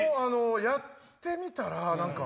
やってみたら何か。